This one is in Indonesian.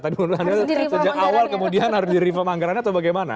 sejak awal kemudian harus di reform anggarannya atau bagaimana